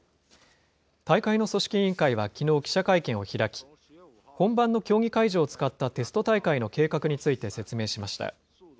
大会の組織委員会はきのう記者会見を開き、本番の競技会場を使ったテスト大会の計画について説明しました。